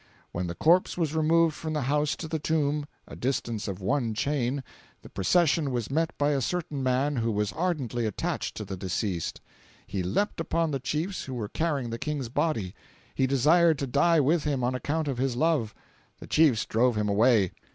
When the corpse was removed from the house to the tomb, a distance of one chain, the procession was met by a certain man who was ardently attached to the deceased. He leaped upon the chiefs who were carrying the King's body; he desired to die with him on account of his love. The chiefs drove him away.